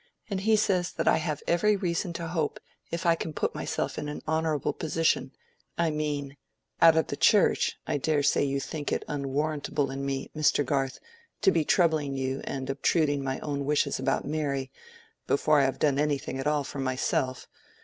"And he says that I have every reason to hope, if I can put myself in an honorable position—I mean, out of the Church. I dare say you think it unwarrantable in me, Mr. Garth, to be troubling you and obtruding my own wishes about Mary, before I have done anything at all for myself.